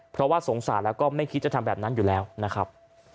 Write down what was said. เพราะว่าสงสารแล้วก็ไม่คิดจะทำแบบนั้นอยู่แล้วนะครับ